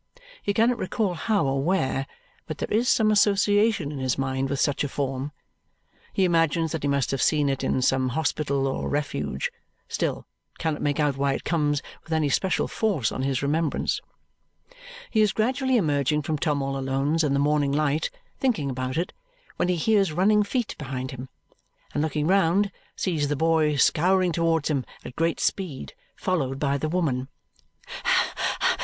He cannot recall how or where, but there is some association in his mind with such a form. He imagines that he must have seen it in some hospital or refuge, still, cannot make out why it comes with any special force on his remembrance. He is gradually emerging from Tom all Alone's in the morning light, thinking about it, when he hears running feet behind him, and looking round, sees the boy scouring towards him at great speed, followed by the woman.